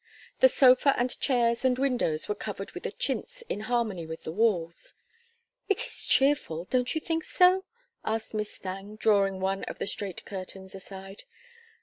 The sofa and chairs and windows were covered with a chintz in harmony with the walls. "It is cheerful, don't you think so?" asked Miss Thangue, drawing one of the straight curtains aside.